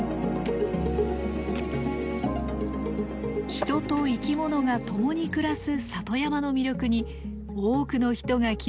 人と生き物が共に暮らす里山の魅力に多くの人が気付かされたのです。